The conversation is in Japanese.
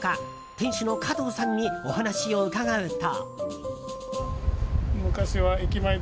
店主の加藤さんにお話を伺うと。